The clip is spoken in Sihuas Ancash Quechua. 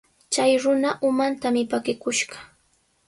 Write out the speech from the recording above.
Chay runa umantami pakikushqa.